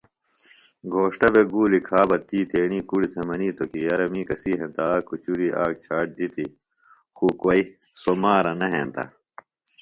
گھوݜٹہ بےۡ گولیۡ کھا بہ تی تیݨی کُڑی تھےۡ منِیتوۡ کی یرہ می کسی ہینتہ آک کُچُری آک جھاٹ جِتیۡ خوۡ کوئیۡ سوۡ مارہ نہ ہینتہ